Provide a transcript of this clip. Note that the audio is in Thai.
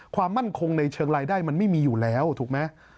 ความมั่นคงในเชิงรายได้มันไม่มีอยู่แล้วถูกไหม